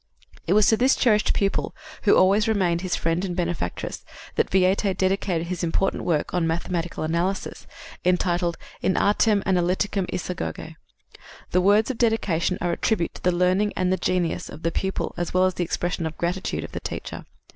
It was to this cherished pupil, who always remained his friend and benefactress, that Viète dedicated his important work on mathematical analysis entitled In Artem Analyticam Isagoge. The words of the dedication are a tribute to the learning and the genius of the pupil as well as an expression of the gratitude of the teacher.